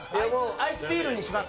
アイスビールにします？